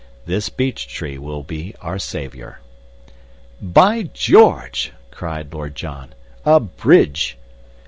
This beech tree will be our saviour." "By George!" cried Lord John, "a bridge!"